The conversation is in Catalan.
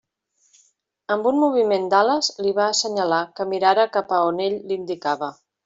Amb un moviment d'ales li va assenyalar que mirara cap a on ell l'indicava.